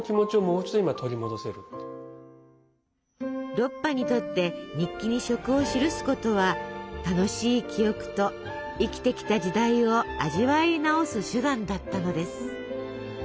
ロッパにとって日記に食を記すことは楽しい記憶と生きてきた時代を味わい直す手段だったのです。